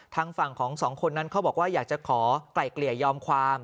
ทางฝั่งของสองคนนั้นเขาบอกว่าอยากจะขอไกล่เกลี่ยยอมความ